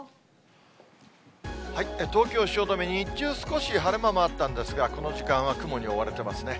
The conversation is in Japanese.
東京・汐留、日中、少し晴れ間もあったんですが、この時間は雲に覆われてますね。